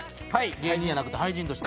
芸人やなくて俳人として？